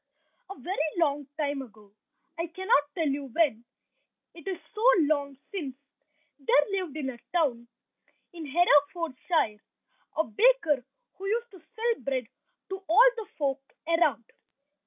A very long time ago, I cannot tell you when, it is so long since, there lived in a town in Herefordshire a baker who used to sell bread to all the folk around.